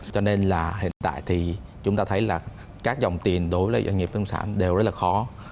cho nên là hiện tại thì chúng ta thấy là các dòng tiền đối với doanh nghiệp nông sản đều rất là khó